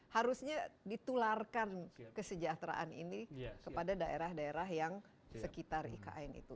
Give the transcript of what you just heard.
harusnya ditularkan kesejahteraan ini kepada daerah daerah yang sekitar ikn itu